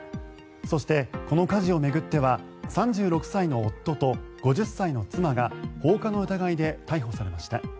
そしてこの火事を巡っては３６歳の夫と５０歳の妻が放火の疑いで逮捕されました。